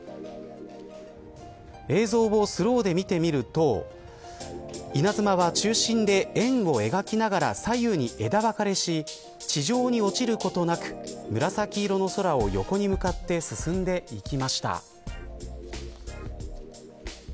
映像をスローで見てみると稲妻は、中心で円を描きながら左右に枝分かれし地上に落ちることなく紫色の空を横に向かって進んでいきました。